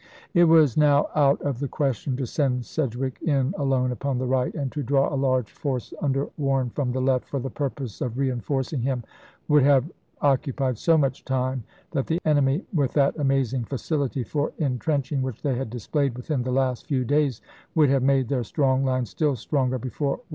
^ It was now out of the question to send Sedgwick in alone upon the right ; and to draw a large force, under Warren, from the left, for the purpose of re enforcing him, would have occupied so much time that the enemy, with that amazing facility for in trenching which they had displayed within the last few days, would have made their strong line still stronger before Warren could arrive.